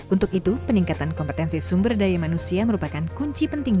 untuk itu peningkatan kompetensi sumber daya manusia merupakan kunci penting